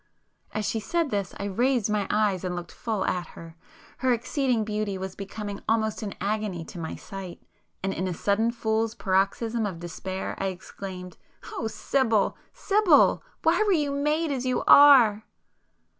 As she said this, I raised my eyes and looked full at her,—her exceeding beauty was becoming almost an agony to my sight, and in a sudden fool's paroxysm of despair I exclaimed— "O Sibyl, Sibyl! Why were you made as you are!"